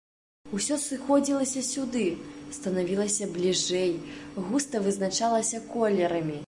Усё сыходзілася сюды, станавілася бліжэй, густа вызначалася колерамі.